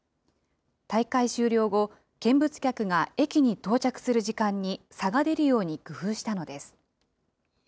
大会終了後、見物客が駅に到着する時間に差が出るように工夫したのです。